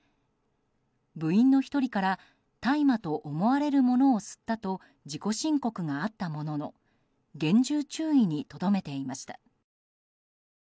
部員の１人から大麻と思われるものを吸ったと自己申告があったものの厳重注意にとどめていました。